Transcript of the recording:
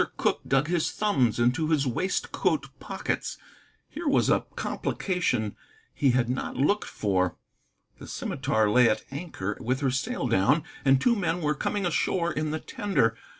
Cooke dug his thumbs into his waistcoat pockets. Here was a complication he had not looked for. The Scimitar lay at anchor with her sail down, and two men were coming ashore in the tender. Mr.